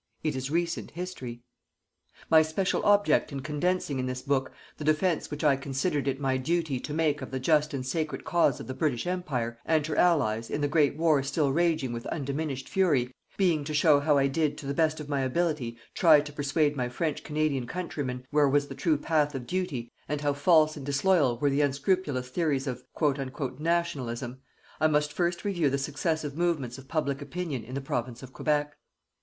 It is recent history. My special object in condensing in this book the defence which I considered it my duty to make of the just and sacred cause of the British Empire, and her Allies, in the great war still raging with undiminished fury, being to show how I did, to the best of my ability, try to persuade my French Canadian Countrymen where was the true path of duty, and how false and disloyal were the unscrupulous theories of "Nationalism", I must first review the successive movements of public opinion in the Province of Quebec.